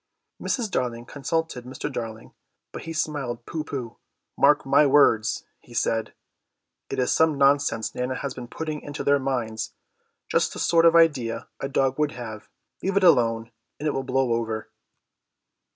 Mrs. Darling consulted Mr. Darling, but he smiled pooh pooh. "Mark my words," he said, "it is some nonsense Nana has been putting into their heads; just the sort of idea a dog would have. Leave it alone, and it will blow over."